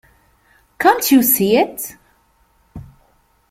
Can't you see it?